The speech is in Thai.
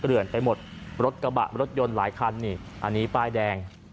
เหลือนไปหมดรถกระบะรถยนต์หลายคันนี่อันนี้ป้ายแดง